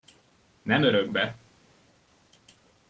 Nem örökbe!